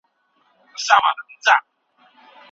چې له بدو لارو بچ شو.